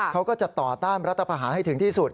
เขาก็จะต่อต้านรัฐประหารให้ถึงที่สุด